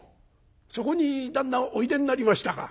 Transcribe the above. そこに旦那おいでになりましたか。